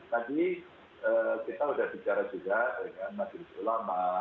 tadi kita sudah bicara juga dengan mas yudhisul lama